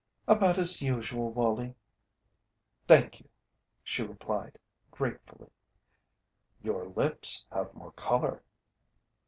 "About as usual, Wallie, thank you," she replied, gratefully. "Your lips have more colour."